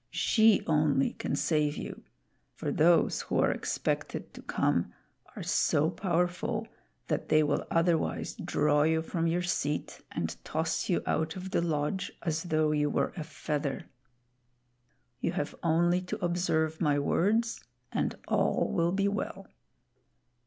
She only can save you; for those who are expected to come are so powerful that they will otherwise draw you from your seat and toss you out of the lodge as though you were a feather. You have only to observe my words and all will be well."